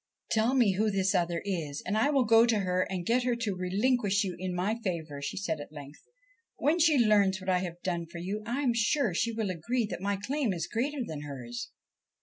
' Tell me who this other is, and I will go to her and get her to relinquish you in my favour,' she said at length. ' When she learns what I have done for you, I am sure she will agree that my claim is greater than hers.'